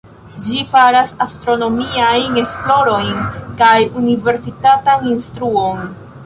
Ĝi faras astronomiajn esplorojn kaj universitatan instruon.